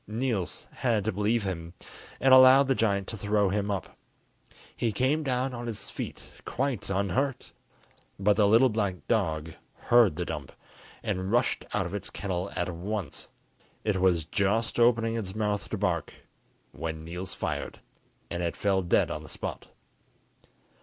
Niels had to believe him, and allowed the giant to throw him up. He came down on his feet quite unhurt, but the little black dog heard the dump, and rushed out of its kennel at once. It was just opening its mouth to bark, when Niels fired, and it fell dead on the spot.